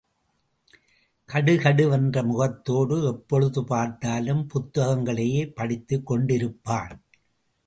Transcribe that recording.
கடுகடுவென்ற முகத்தோடு எப்பொழுது பார்த்தாலும் புத்தகங்களையே படித்துக் கொண்டிருப்பான்.